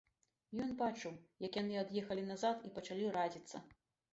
Ён бачыў, як яны ад'ехалі назад і пачалі радзіцца.